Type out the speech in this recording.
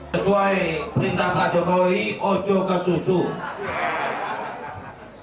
sesuai perintah pak jokowi ojo kesusus